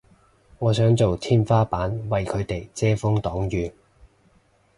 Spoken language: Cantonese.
我想做天花板為佢哋遮風擋雨